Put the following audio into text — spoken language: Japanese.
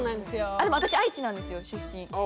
あっでも私愛知なんですよ出身。